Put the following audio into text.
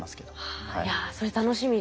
いやそれ楽しみですね。